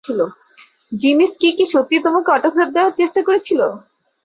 যিমস্কি কি সত্যিই তোমাকে অটোগ্রাফ দেওয়ার চেষ্টা করেছিল?